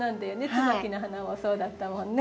ツバキの花もそうだったもんね。